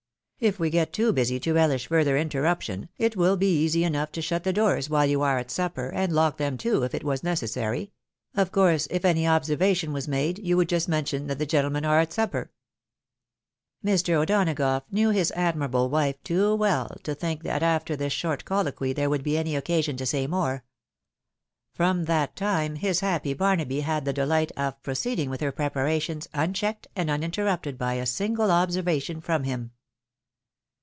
If we get too busy to relish further inter ruption, it will be easy enough to shut the doors while you are at supper, and lock them, too, if it was necessary ; of course, if any observation was made, you would just mention that the gentlemen are at supper." Mr. O'Donagough knew his admirable wife too well to think that after this short colloquy there would be any occasion to say more. From that time his happy Barnaby had the delight of proceeding with her preparations unchecked and uninter rupted by a single observation from him.